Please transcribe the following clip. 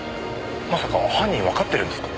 まさか犯人わかってるんですか？